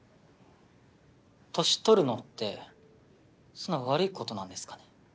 年取るのってそんな悪いことなんですかね？